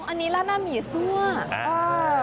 อันนี้ลาดหน้ามีสั่ว